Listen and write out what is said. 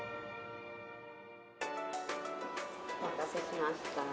お待たせしました。